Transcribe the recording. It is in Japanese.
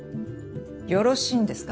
よろしいんですか？